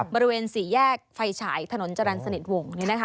บริเวณสี่แยกไฟฉายถนนจรรย์สนิทวงศ์